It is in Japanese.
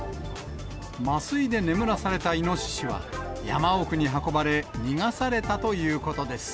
麻酔で眠らされたイノシシは、山奥に運ばれ、逃がされたということです。